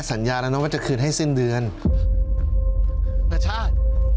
มาเลย